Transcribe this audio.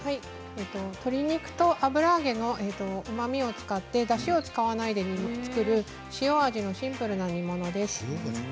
鶏肉と油揚げのうまみを使ってだしを使わないで作る塩味のシンプルな煮物です。